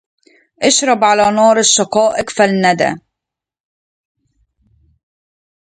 اشرب على نار الشقائق فالندى